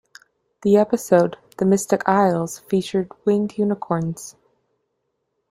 The episode "The Mystic Isles" features winged unicorns.